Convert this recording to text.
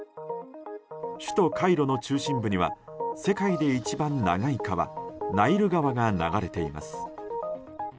首都カイロの中心部には世界で一番長い川ナイル川が流れています。